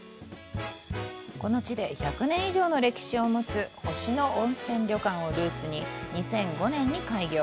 この地で１００年以上の歴史を持つ星野温泉旅館をルーツに２００５年に開業。